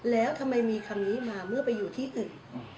แล้วทำไมมีคำนี้มาเมื่อไปอยู่ที่ตึก